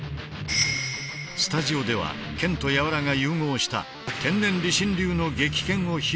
スタジオでは「剣」と「柔」が融合した天然理心流の撃剣を披露してもらう。